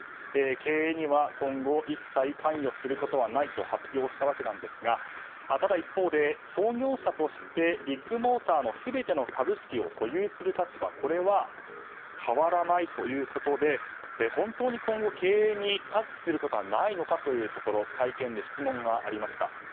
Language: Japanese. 経営には今後、一切関与することはないと発表したわけなんですがただ、一方で創業者としてビッグモーターの全ての株式を保有する立場これは変わらないということで本当に今後、経営にタッチすることはないのかというところ会見で質問がありました。